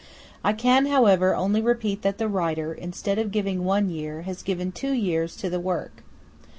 I can, however, only reply that the Writer, instead of giving one year, has given two years to the work.